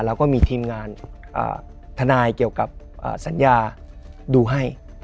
แล้วก็มีทีมงานทนายเกี่ยวกับสัญญาดูให้